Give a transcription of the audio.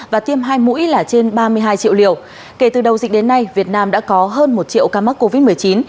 và tiêm hai mũi là trên ba mươi hai triệu liều kể từ đầu dịch đến nay việt nam đã có hơn một triệu ca mắc covid một mươi chín